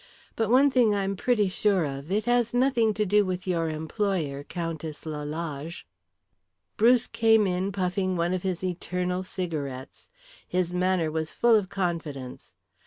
But one thing I am pretty sure of it has nothing to do with your employer, Countess Lalage." Lawrence came in puffing one of his eternal cigarettes. His manner was full of confidence.